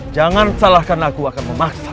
jangan salahkan aku akan memaksa